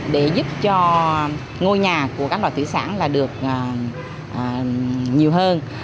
để giúp cho ngôi nhà của các loài thủy sản được nhiều hơn